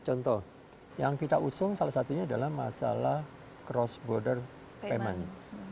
contoh yang kita usung salah satunya adalah masalah cross border payment